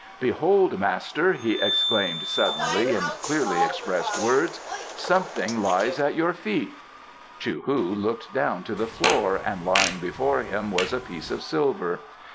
"Behold, master!" he exclaimed suddenly, in clearly expressed words, "something lies at your feet." Chou hu looked down to the floor and lying before him was a piece of silver.